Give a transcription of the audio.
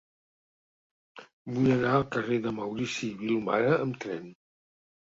Vull anar al carrer de Maurici Vilomara amb tren.